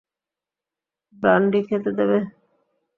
Brandy খেতে দেবে?